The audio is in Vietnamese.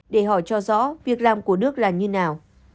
để hỏi cho rõ việc làm của đức là như nào